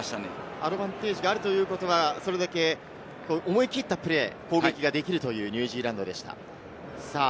アドバンテージがあるということはそれだけ思い切ったプレー、攻撃ができるというニュージーランドした。